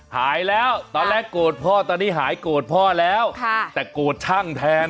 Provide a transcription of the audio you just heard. หายแล้วตอนแรกโกรธพ่อตอนนี้หายโกรธพ่อแล้วแต่โกรธช่างแทน